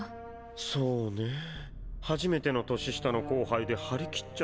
そうね初めての年下の後輩で張り切っちゃったんだろうけど。